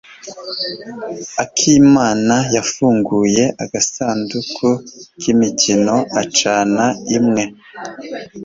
Akimana yafunguye agasanduku k'imikino acana imwe.